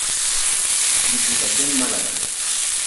Diputación Málaga.